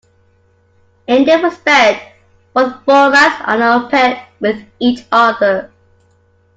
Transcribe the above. In this respect, both formats are on par with each other.